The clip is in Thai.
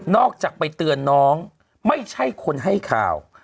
อกจากไปเตือนน้องไม่ใช่คนให้ข่าว